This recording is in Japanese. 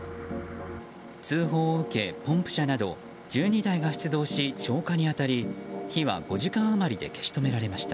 通報を受けポンプ車など１２台が出動し消火に当たり火は５時間余りで消し止められました。